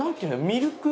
ミルク。